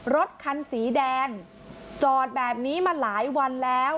รถคันสีแดงจอดแบบนี้มาหลายวันแล้ว